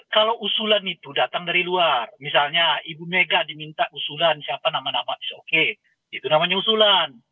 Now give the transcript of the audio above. kalau usulan itu datang dari luar misalnya ibu mega diminta usulan siapa nama nama ⁇ its ⁇ okay itu namanya usulan